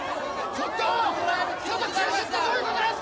ちょっと中止ってどういう事ですか！